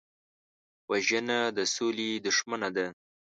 وژنه د سولې دښمنه ده